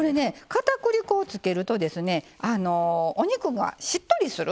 かたくり粉をつけるとお肉がしっとりする。